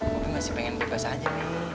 bobby masih pengen bebas aja mi